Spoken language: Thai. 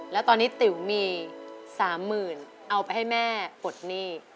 และตอนนี้ติ๋วมีสามหมื่นเอาไปให้แม่ปลดหนี่